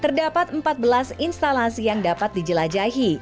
terdapat empat belas instalasi yang dapat dijelajahi